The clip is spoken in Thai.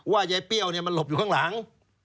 ยายเปรี้ยวมันหลบอยู่ข้างหลัง